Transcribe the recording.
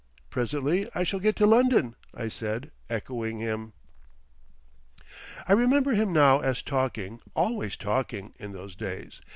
"Presently I shall get to London," I said, echoing him. I remember him now as talking, always talking, in those days.